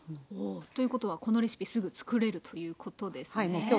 おおということはこのレシピすぐ作れるということですね。